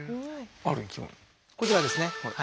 こちらですね。